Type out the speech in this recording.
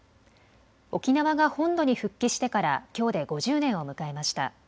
沖縄が本土に復帰してからきょうで５０年を迎えました。